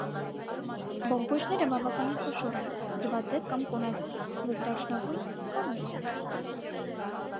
Բողբոջները բավականին խոշոր են, ձվաձև կամ կոնաձև, մուգ դարչնագույն, կարմրող։